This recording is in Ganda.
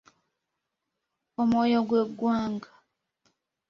Omwoyo gwe ggwanga.